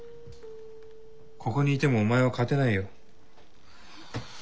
ここにいてもお前は勝てないよ。